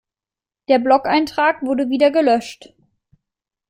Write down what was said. Der Blogeintrag wurde wieder gelöscht.